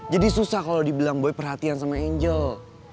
jadi susah kalo dibilang boy perhatian sama angel